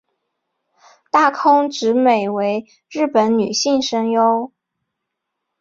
大空直美为日本女性声优。